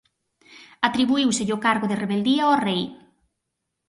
Atribuíuselle o cargo de rebeldía ao rei.